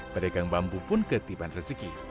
pedagang bambu pun ketiban rezeki